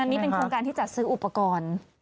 อันนี้เป็นโครงการที่จัดซื้ออุปกรณ์